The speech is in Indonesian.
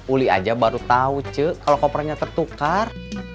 uli aja baru tau cek kalo kopernya tertukar